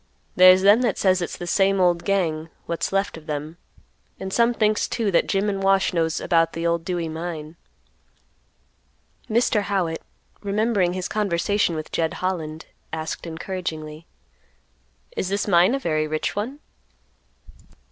There's them that says it's the same old gang, what's left of them, and some thinks too that Jim and Wash knows about the old Dewey mine." Mr. Howitt, remembering his conversation with Jed Holland, asked encouragingly, "Is this mine a very rich one?"